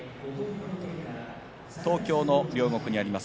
東京・両国にあります